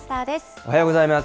おはようございます。